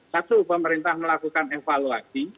satu pemerintah melakukan evaluasi